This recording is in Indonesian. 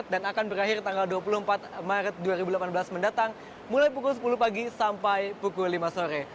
dan akan berakhir tanggal dua puluh empat maret dua ribu delapan belas mendatang mulai pukul sepuluh pagi sampai pukul lima sore